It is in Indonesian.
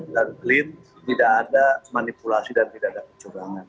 dan clean tidak ada manipulasi dan tidak ada kecobangan